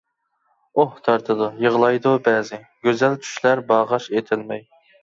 ئۇھ تارتىدۇ، يىغلايدۇ بەزى، گۈزەل چۈشلەر باغاش ئېتەلمەي.